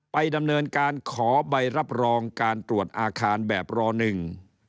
ไปดำเนินการขอใบรับรองการตรวจอาคารแบบรอหนึ่ง